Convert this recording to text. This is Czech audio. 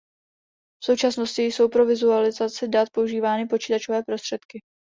V současnosti jsou pro vizualizaci dat používány počítačové prostředky.